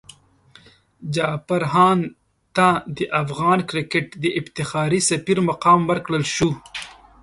جعفر هاند ته د افغان کرکټ د افتخاري سفیر مقام ورکړل شو.